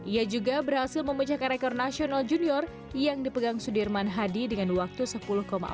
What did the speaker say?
ia juga berhasil memecahkan rekor nasional junior yang dipegang sudirman hadi dengan waktu sepuluh empat puluh